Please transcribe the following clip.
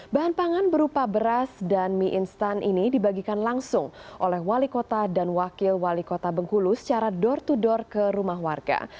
bahan pangan berupa beras dan mie instan ini dibagikan langsung oleh wali kota dan wakil wali kota bengkulu secara door to door ke rumah warga